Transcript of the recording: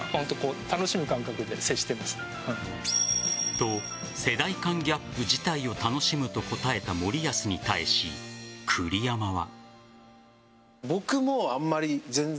と、世代間ギャップ自体を楽しむと答えた森保に対し栗山は。